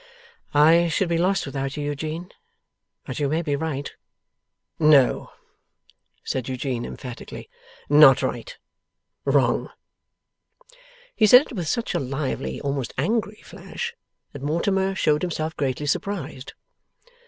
'I should be lost without you, Eugene; but you may be right.' 'No,' said Eugene, emphatically. 'Not right. Wrong!' He said it with such a lively almost angry flash, that Mortimer showed himself greatly surprised.